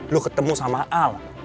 lu ketemu sama al